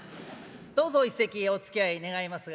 どうぞ一席おつきあい願いますが。